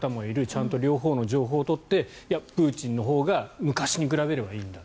ちゃんと両方の情報を取っていや、プーチンのほうが昔に比べればいいんだ。